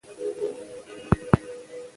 روباټونه اوس پرمختللي دي.